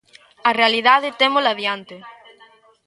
A realidade témola diante.